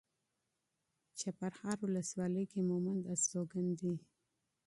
چپرهار ولسوالۍ کې مومند استوګن دي.